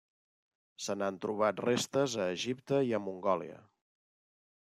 Se n'han trobat restes a Egipte i a Mongòlia.